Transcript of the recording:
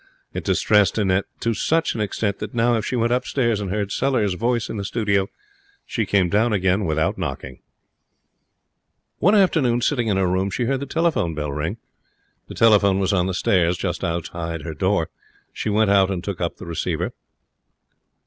It distressed Annette to such an extent that now, if she went upstairs and heard Sellers' voice in the studio, she came down again without knocking. One afternoon, sitting in her room, she heard the telephone bell ring. The telephone was on the stairs, just outside her door. She went out and took up the receiver.